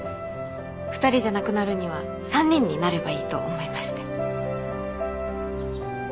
２人じゃなくなるには３人になればいいと思いまして。